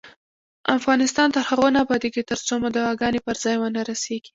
افغانستان تر هغو نه ابادیږي، ترڅو مو دعاګانې پر ځای ونه رسیږي.